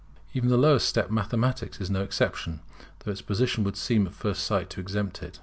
Even the lowest step, Mathematics, is no exception, though its position would seem at first sight to exempt it.